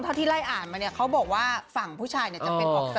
ที่ไล่อ่านมาเนี่ยเขาบอกว่าฝั่งผู้ชายเนี่ยจะเป็นบอก